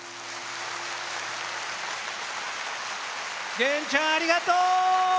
源ちゃん、ありがとう！